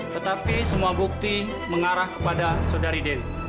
tetapi semua bukti mengarah kepada saudari den